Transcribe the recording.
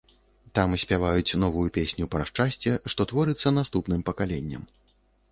Там спяваюць новую песню пра шчасце, што творыцца наступным пакаленням.